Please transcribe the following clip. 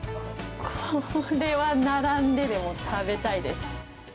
これは並んででも食べたいです。